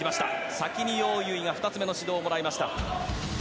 先にヨウ・ユウイが２つ目の指導をもらいました。